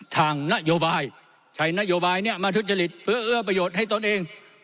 ทางนโยบายใช้นโยบายนี้มาทุจริตเพื่อเอื้อประโยชน์ให้ตนเอง